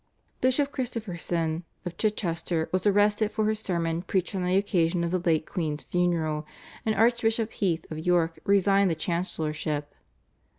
Bishop Christopherson of Chichester was arrested for his sermon preached on the occasion of the late queen's funeral, and Archbishop Heath of York resigned the Chancellorship.